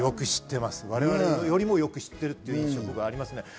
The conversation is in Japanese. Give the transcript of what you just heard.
我々よりもよく知っているという印象があります。